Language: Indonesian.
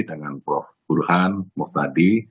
dengan prof burhan muhtadi